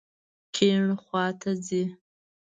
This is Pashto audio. کیڼ خواته ځئ